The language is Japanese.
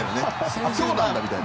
今日のだみたいな。